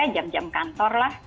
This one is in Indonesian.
jam jam kantor lah